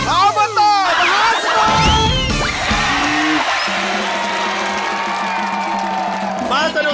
โอเบอตตอมหาสนุก